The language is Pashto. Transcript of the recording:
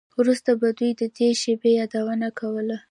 وروسته به دوی د دې شیبې یادونه کوله